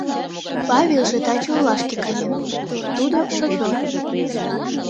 Павелже таче олашке каен, тудо шофёр.